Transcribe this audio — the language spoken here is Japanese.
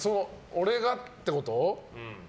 俺がってこと？